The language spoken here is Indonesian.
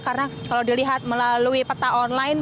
karena kalau dilihat melalui peta online